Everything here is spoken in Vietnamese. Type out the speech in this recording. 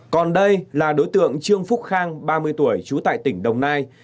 còn đây là đối tượng trương phúc khang ba mươi tuổi trú tại tỉnh đồng nai